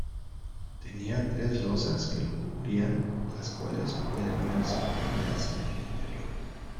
Tenía tres losas que lo cubrían, las cuales pueden verse caídas en el interior.